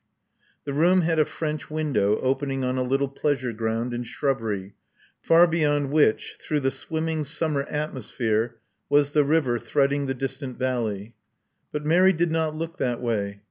The room had a French window open ing on a little pleasure groimd and shrubber}% far beyond which, through the swimming summer atmos phere, was the river threading the distant valley. But Mary did not look that way.